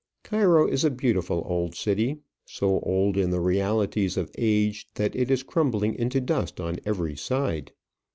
Cairo is a beautiful old city; so old in the realities of age that it is crumbling into dust on every side.